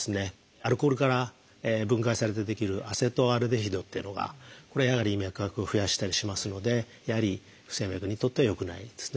アルコールから分解されて出来る「アセトアルデヒド」っていうのがやはり脈拍を増やしたりしますのでやはり不整脈にとっては良くないですね。